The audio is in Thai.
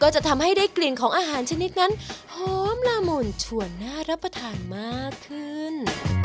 จะทำให้ได้กลิ่นของอาหารชนิดนั้นหอมละมุนชวนน่ารับประทานมากขึ้น